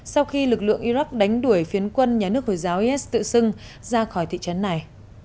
sau khi lực lượng iraq đánh đuổi phiến quân nhà nước hồi giáo is tự xưng ra khỏi thị trấn này